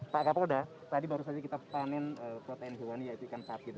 pak kapolda tadi baru saja kita panen protein hewan yaitu ikan sapi